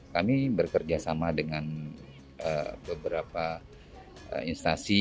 kami bekerja sama dengan beberapa instansi